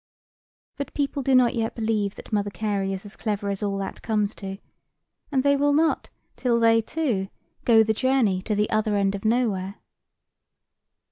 But people do not yet believe that Mother Carey is as clever as all that comes to; and they will not till they, too, go the journey to the Other end of Nowhere.